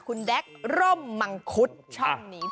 คุณแด๊กร่มมังคุดช่องนี้